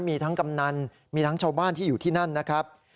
มีทั้งกำนันมีทั้งชาวบ้านที่อยู่ที่นั่นนะครับ